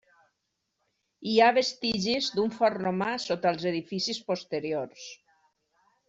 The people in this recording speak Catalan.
Hi ha vestigis d'un fort romà sota els edificis posteriors.